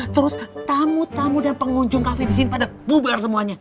terus tamu tamu dan pengunjung cafe disini pada bubar semuanya